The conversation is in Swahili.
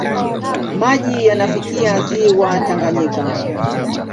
Maji yanafikia ziwa Tanganyika.